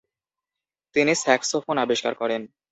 তিনি স্যাক্সোফোন আবিষ্কার করেন।